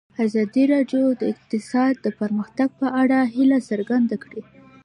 ازادي راډیو د اقتصاد د پرمختګ په اړه هیله څرګنده کړې.